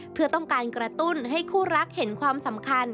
เพื่อต้องการกระตุ้นให้คู่รักเห็นความสำคัญ